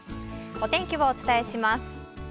お天気をお伝えします。